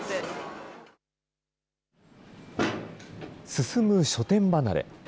進む書店離れ。